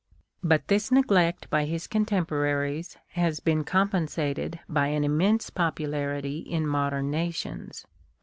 But this neglect by his contemporaries has been compensated by an immense popularity in modern nations.